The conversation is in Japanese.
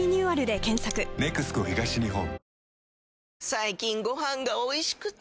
最近ご飯がおいしくて！